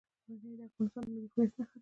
منی د افغانستان د ملي هویت نښه ده.